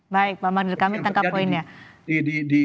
baik pak madril kami tangkap poinnya